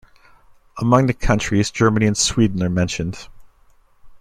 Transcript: Among the countries Germany and Sweden are mentioned.